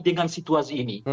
dengan situasi ini